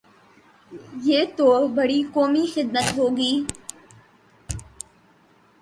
تو یہ بڑی قومی خدمت ہو گی۔